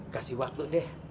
kasih waktu deh